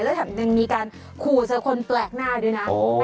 แล้วแป่งก็ยังมีการขู่เชิดคนแปลกหน้าด้วยนะ